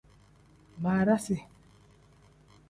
Barasi.